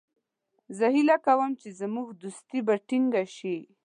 زه هیله کوم چې زموږ دوستي به ټینګه شي.